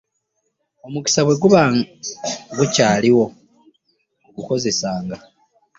Omukisa bwe guba gukyaliwo ogukozesanga.